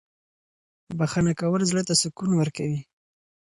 بښنه کول زړه ته سکون ورکوي.